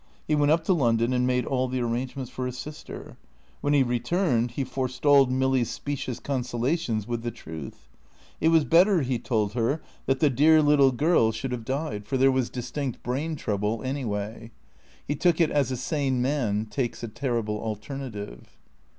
He went up to London and made all the arrangements for his sister. When he returned he forestalled Milly's specious consolations with the truth. It was better, he told her, that the dear little girl should have died, for there was distinct brain trouble anyway. He took it as a sane man takes a terrible alternative.